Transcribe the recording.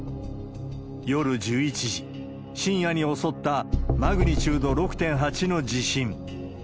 夜１１時、深夜に襲ったマグニチュード６．８の地震。